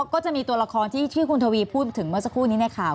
ก็จะมีตัวละครที่คุณทวีพูดถึงเมื่อสักครู่นี้ในข่าว